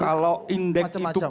kalau indeks itu